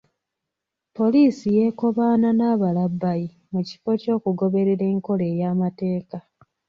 Poliisi yeekobaana n’abalabbayi mu kifo ky’okugoberera enkola ey’amateeka.